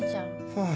うん。